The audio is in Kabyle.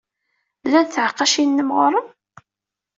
Llant tɛeqqacin-nnem ɣer-m?